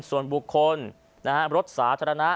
ส่วนบุคคลรถสาธารณะ